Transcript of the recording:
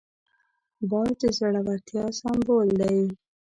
باز د زړورتیا سمبول دی